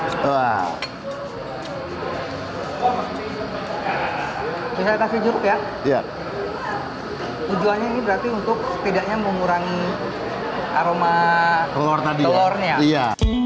kita juga ya iya tujuannya ini berarti untuk setidaknya mengurangi aroma telur telurnya iya